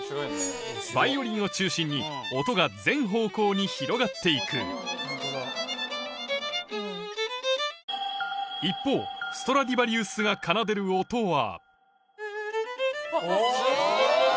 バイオリンを中心に音が全方向に広がって行く一方ストラディバリウスが奏でる音は